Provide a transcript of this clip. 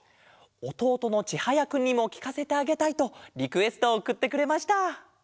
おとうとのちはやくんにもきかせてあげたいとリクエストをおくってくれました。